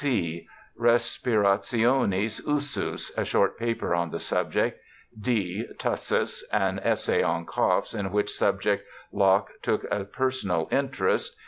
{c) Respirafionis Ustis, a short paper on the subject, {d) Tiissis, an essay on coughs, in which subject Locke took a personal interest.